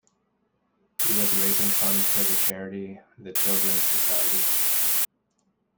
He was raising funds for the charity The Children's Society.